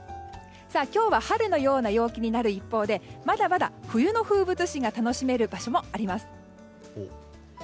今日は春のような陽気になる一方でまだまだ冬の風物詩が楽しめる場所もあります。